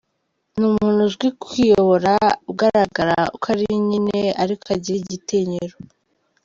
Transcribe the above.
Ni umuntu uzi kwiyobora , ugaragara uko ari nyine ariko agira igitinyiro.